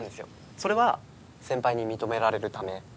それは先輩に認められるため。